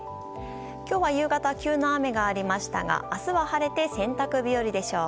今日は夕方急な雨がありましたが明日は晴れて洗濯日和でしょう。